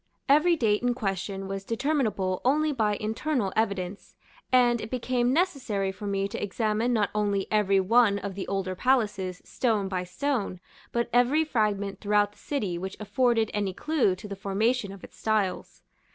Every date in question was determinable only by internal evidence, and it became necessary for me to examine not only every one of the older palaces, stone by stone, but every fragment throughout the city which afforded any clue to the formation of its styles.